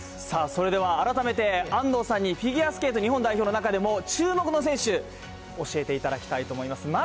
さあ、それでは改めて、安藤さんにフィギュアスケート日本代表の中でも、注目の選手、教えていただきたいと思います。